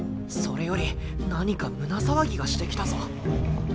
それより何か胸騒ぎがしてきたぞ。